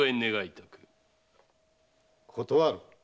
断る。